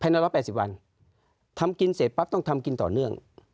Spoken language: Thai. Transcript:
น้อย๑๘๐วันทำกินเสร็จปั๊บต้องทำกินต่อเนื่อง